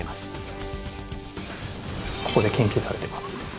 ここで研究されてます。